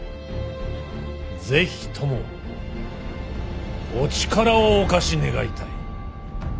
是非ともお力をお貸し願いたい。